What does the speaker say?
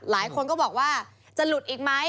หลายคนก็บอกว่าจะหลุดอีกไหม